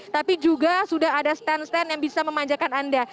tapi juga sudah ada stand stand yang bisa memanjakan anda